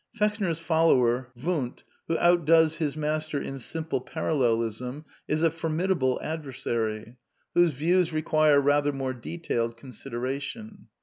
Fechner's follower, ^^juuitj '^to outdoes his master in simple Parallelism, is a formidable adversary, whose views require rather more detailed consideration.